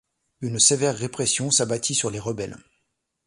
Une sévère répression s'abattit sur les rebelles.